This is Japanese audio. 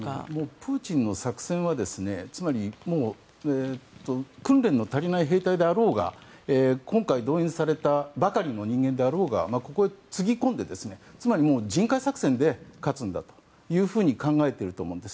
プーチンの作戦は訓練の足りない兵隊であろうが今回、動員されたばかりの人間だろうがここへつぎ込んでつまり人海作戦で勝つんだというふうに考えていると思うんです。